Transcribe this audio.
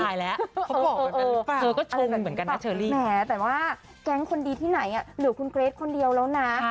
ถ่ายแล้วเธอบอกเหมือนกันหรือเปล่า